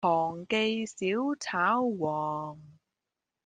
堂記小炒皇